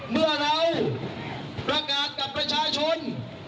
เมื่อเราประกาศกับประชาชน